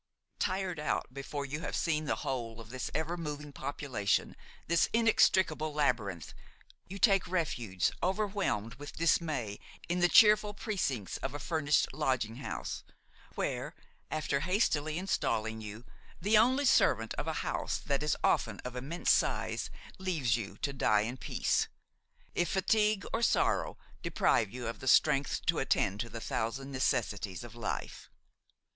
Tired out before you have seen the whole of this ever moving population, this inextricable labyrinth, you take refuge, over whelmed with dismay, in the cheerful precincts of a furnished lodging house, where, after hastily installing you, the only servant of a house that is often of immense size leaves you to die in peace, if fatigue or sorrow deprive you of the strength to attend to the thousand necessities of life.